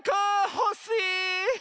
ほしい！